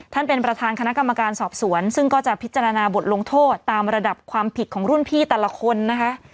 ท่านประธานเป็นประธานคณะกรรมการสอบสวนซึ่งก็จะพิจารณาบทลงโทษตามระดับความผิดของรุ่นพี่แต่ละคนนะคะ